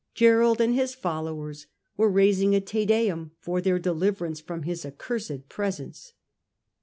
Gerold and his followers were raising a " Te Deum " for their deliverance from his accursed presence.